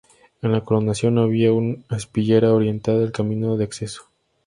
En la coronación había una aspillera orientada al camino de acceso.